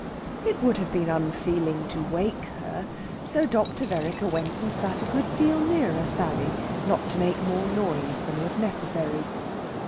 It would have been unfeeling to wake her, so Dr. Vereker went and sat a good deal nearer Sally, not to make more noise than was necessary.